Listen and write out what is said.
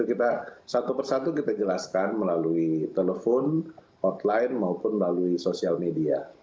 kita satu persatu kita jelaskan melalui telepon hotline maupun melalui sosial media